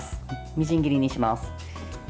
みじん切りにします。